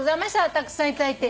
たくさんいただいて。